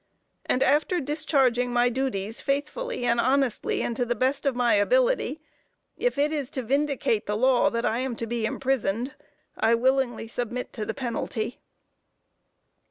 And after discharging my duties faithfully and honestly and to the best of my ability, if it is to vindicate the law that I am to be imprisoned, I willingly submit to the penalty."